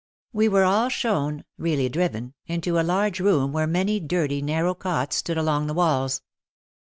We were all shown (really driven) into a large room where many dirty, narrow cots stood along the walls.